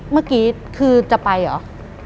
เมื่อกี้คือจะไปเหรอ